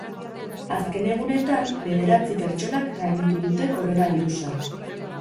Azken egunetan, bederatzi pertsonak gainditu dute koronabirusa.